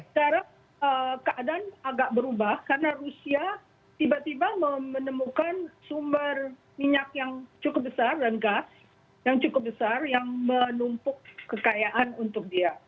saya harap keadaan agak berubah karena rusia tiba tiba menemukan sumber minyak yang cukup besar dan gas yang cukup besar yang menumpuk kekayaan untuk dia